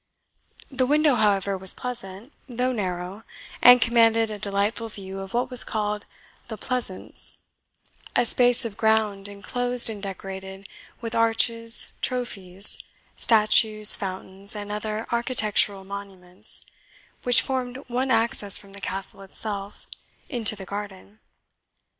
The window, however, was pleasant, though narrow, and commanded a delightful view of what was called the Pleasance; a space of ground enclosed and decorated with arches, trophies, statues, fountains, and other architectural monuments, which formed one access from the Castle itself into the garden.